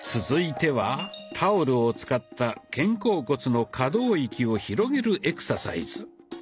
続いてはタオルを使った肩甲骨の可動域を広げるエクササイズ。